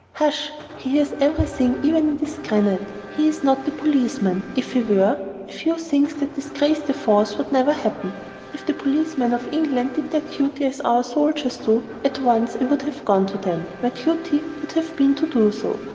"Hush! he hears every thing, even on this granite. He is not a policeman; if he were, a few things that disgrace the force never would happen. If the policemen of England did their duty as our soldiers do, at once I would have gone to them; my duty would have been to do so.